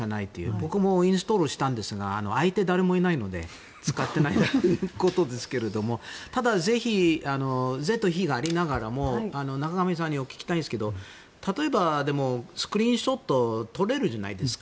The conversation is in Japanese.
僕もインストールしたんですが相手が誰もいないので使っていないんですがただ、是と非がありながらも仲上さんに聞きたいんですけど例えばスクリーンショット撮れるじゃないですか。